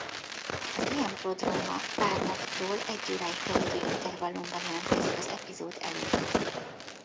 Az ilyen prodróma pár naptól egy óráig terjedő intervallumban jelentkezik az epizód előtt.